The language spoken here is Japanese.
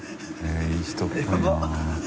いい人っぽいな。